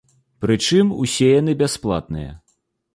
Прычым, усе яны бясплатныя.